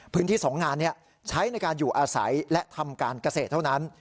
พื้นที่๒งานใช้ในการอยู่อาศัยและทำการเกษตรเท่านั้น